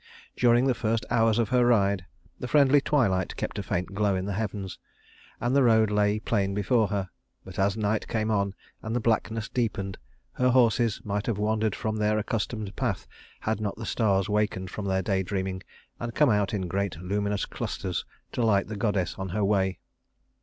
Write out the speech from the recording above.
During the first hours of her ride, the friendly twilight kept a faint glow in the heavens, and the road lay plain before her; but as night came on and the blackness deepened, her horses might have wandered from their accustomed path had not the stars wakened from their day dreaming and come out in great luminous clusters to light the goddess on her way.